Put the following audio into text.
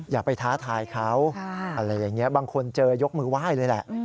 อย่าไปท้าทายเขาอะไรอย่างนี้บางคนเจอยกมือไหว้เลยแหละ